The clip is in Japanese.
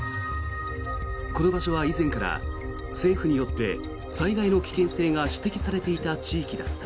この場所は以前から政府によって災害の危険性が指摘されていた地域だった。